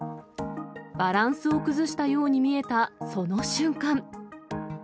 バランスを崩したように見えた、その瞬間。